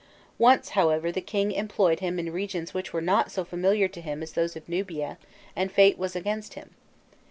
Once, however, the king employed him in regions which were not so familiar to him as those of Nubia, and fate was against him.